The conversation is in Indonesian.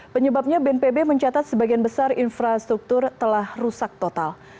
penyebabnya bnpb mencatat sebagian besar infrastruktur telah rusak total